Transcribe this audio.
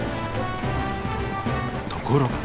ところが。